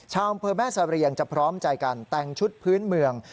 อำเภอแม่เสรียงจะพร้อมใจกันแต่งชุดพื้นเมือง